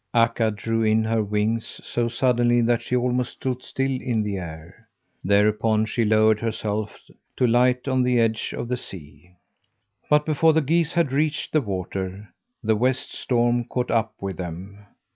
Akka drew in her wings so suddenly that she almost stood still in the air. Thereupon, she lowered herself to light on the edge of the sea. But before the geese had reached the water, the west storm caught up with them.